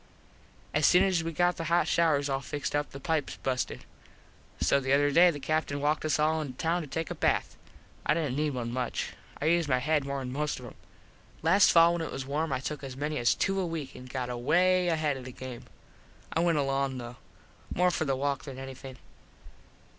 As soon as we got the hot shouers all fixed the pipes busted. So the other day the Captin walked us all in town to take a bath. I didnt need one much. I used my head more than most of em. Last fall when it was warm I took as many as two a week an got away ahead of the game. I went along though. More for the walk than anything.